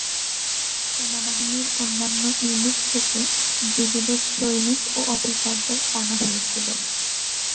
সেনাবাহিনীর অন্যান্য ইউনিট থেকে ব্রিগেডের সৈনিক ও অফিসারদের টানা হয়েছিল।